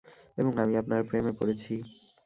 এবং আমি আপনার প্রেমে পড়েছি।